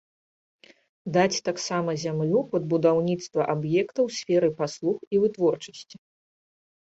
Даць таксама зямлю пад будаўніцтва аб'ектаў сферы паслуг і вытворчасці.